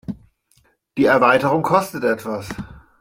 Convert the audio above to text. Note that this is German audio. Die Erweiterung kostet etwas.